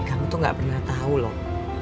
kamu tuh gak pernah tahu loh